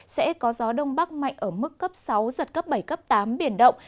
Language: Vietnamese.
sẽ có gió đông bắc mạnh ở mức cấp sáu giật cấp bảy cấp tám biển động